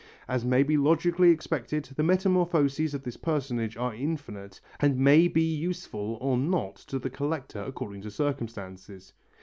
As may be logically expected, the metamorphoses of this personage are infinite and may be useful or not to the collector according to circumstances.